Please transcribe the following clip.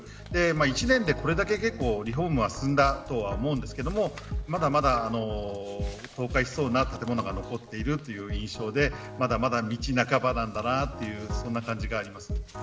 １年でこれだけリフォームが進んだとは思いますがまだまだ崩壊しそうな建物が残っているという印象でまだまだ道半ばなのかなという印象があります。